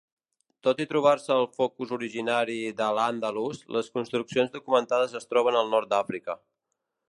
Tot i trobar-se el focus originari d'al-Àndalus, les construccions documentades es troben al nord d'Àfrica.